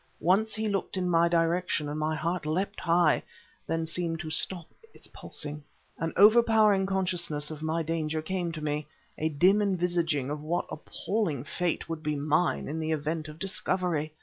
Once he looked in my direction, and my heart leapt high, then seemed to stop its pulsing. An overpowering consciousness of my danger came to me; a dim envisioning of what appalling fate would be mine in the event of discovery.